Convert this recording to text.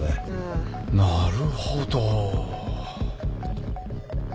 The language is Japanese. なるほど。